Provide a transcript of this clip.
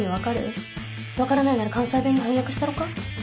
分からないなら関西弁に翻訳したろか？